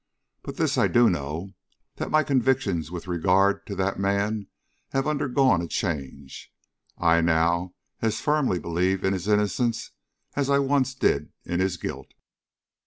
But this I do know, that my convictions with regard to that man have undergone a change. I now as firmly believe in his innocence as I once did in his guilt."